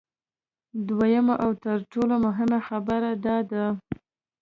دویمه او تر ټولو مهمه خبره دا ده